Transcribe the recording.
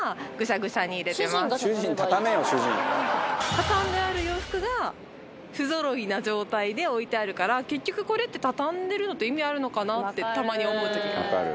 畳んである洋服が不ぞろいな状態で置いてあるから結局これって畳んでるのって意味あるのかな？ってたまに思う時がある。